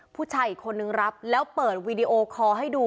ผู้ชายอีกคนนึงรับแล้วเปิดวีดีโอคอร์ให้ดู